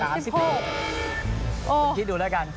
ต้องคิดดูด้วยกัน